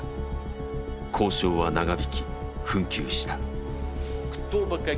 交渉は長引き紛糾した。